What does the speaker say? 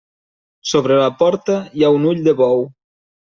Sobre la porta hi ha un ull de bou.